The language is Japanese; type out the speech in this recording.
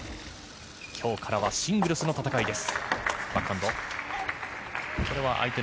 今日からはシングルスの戦いです。